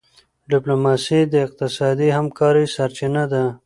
ډيپلوماسي د اقتصادي همکارۍ سرچینه ده.